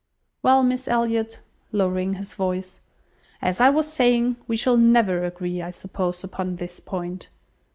Well, Miss Elliot," (lowering his voice,) "as I was saying we shall never agree, I suppose, upon this point.